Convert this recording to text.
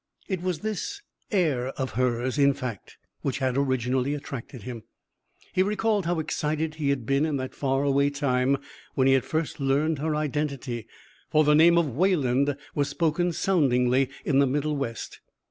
It was this "air" of hers, in fact, which had originally attracted him. He recalled how excited he had been in that far away time when he had first learned her identity for the name of Wayland was spoken soundingly in the middle West.